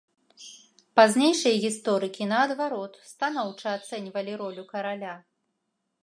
Пазнейшыя гісторыкі, наадварот, станоўча ацэньвалі ролю караля.